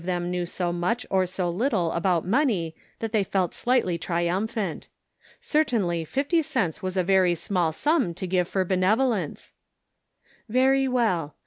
79 them knew so much or so little about money that they felt slightly triumphant. Certainly fifty cents was a very small sum to give for benevolence I " Very well.